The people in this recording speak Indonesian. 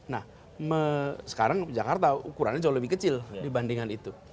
nah sekarang jakarta ukurannya jauh lebih kecil dibandingkan itu